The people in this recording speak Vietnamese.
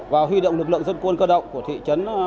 và huy động lực lượng dân quân cơ động của thị trấn